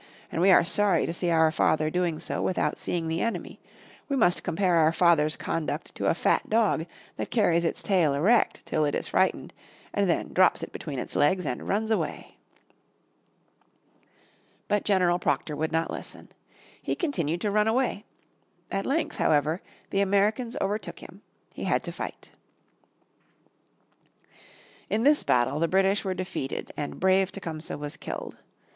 And we are sorry to see our father doing so without seeing the enemy. We must compare our father's conduct to a fat dog that carries its tail erect till it is frightened, and then drops it between its legs and runs away." But General Proctor would not listen. He continued to run away. At length, however, the Americans overtook him, he had to fight. In Battle of the Thames, Oct. 5, 1813, the British were defeated and brave Tecumseh was killed.